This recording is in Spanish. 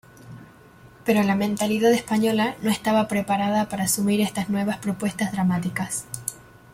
Pero la mentalidad española no estaba preparada para asumir estas nuevas propuestas dramáticas.